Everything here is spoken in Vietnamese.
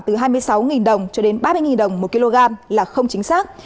từ hai mươi sáu đồng cho đến ba mươi đồng một kg là không chính xác